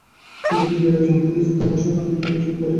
এ যে বিদায়ের আয়োজন হইতেছে, তাহা আশা ক্ষণকালের জন্য ভুলিয়া গেল।